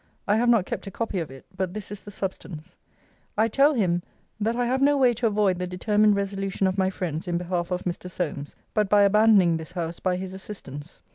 I have not kept a copy of it. But this is the substance: I tell him, 'That I have no way to avoid the determined resolution of my friends in behalf of Mr. Solmes, but by abandoning this house by his assistance.'